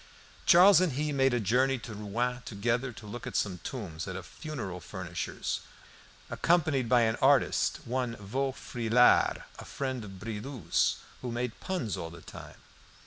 Charles and he made a journey to Rouen together to look at some tombs at a funeral furnisher's, accompanied by an artist, one Vaufrylard, a friend of Bridoux's, who made puns all the time.